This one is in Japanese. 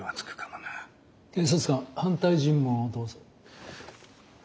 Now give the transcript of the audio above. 検察官反対尋問をどうぞ。